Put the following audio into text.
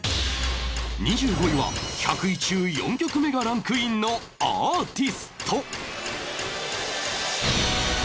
２５位は１００位中４曲目がランクインのアーティスト